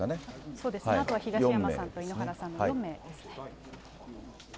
そうですね、あとは東山さんと井ノ原さんの４名ですね。